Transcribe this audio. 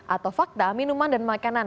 atau fakta minuman dan makanan